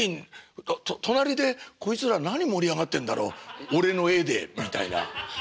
「隣でこいつら何盛り上がってんだろう俺の絵で」みたいな。